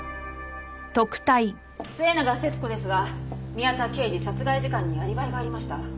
末永節子ですが宮田刑事殺害時間にアリバイがありました。